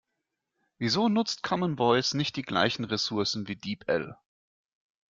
Wieso nutzt Common Voice nicht die gleichen Resourcen wie Deep-L?